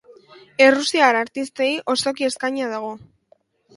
Errusiar artistei osoki eskainia dago.